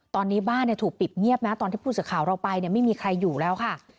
ตอนนี้บ้านถูกปิดเงียบนะตอนที่ผู้สื่อข่าวเราไปไม่มีใครอยู่แล้วค่ะ